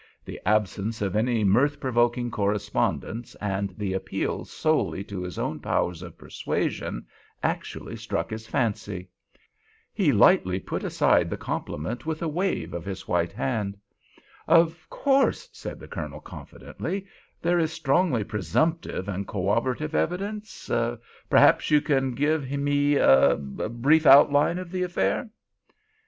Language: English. The absence of any mirth provoking correspondence, and the appeal solely to his own powers of persuasion, actually struck his fancy. He lightly put aside the compliment with a wave of his white hand. "Of course," said the Colonel, confidently, "there is strongly presumptive and corroborative evidence? Perhaps you can give me—er—a brief outline of the affair?"